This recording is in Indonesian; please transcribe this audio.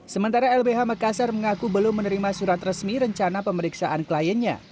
sementara lbh makassar mengaku belum menerima surat resmi rencana pemeriksaan kliennya